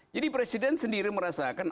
jadi presiden sendiri merasakan